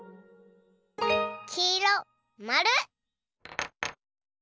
きいろまる。